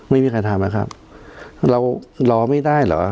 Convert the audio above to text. ไม่มีใครทำนะครับเรารอไม่ได้เหรอ